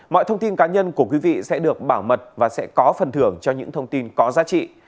mọi thông tin cá nhân của quý vị sẽ được bảo mật và sẽ có phần thưởng cho những thông tin có giá trị